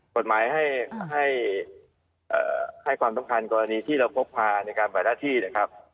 กฎหมายให้ความสำคัญกรณีที่เราพกพาในการบัดหน้าที่นะครับ